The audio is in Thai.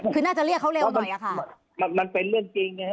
คือน่าจะเรียกเขาเร็วหน่อยอะค่ะมันมันเป็นเรื่องจริงไงฮะ